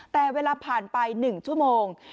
แต่เวลาผ่านไป๑ชั่วโมง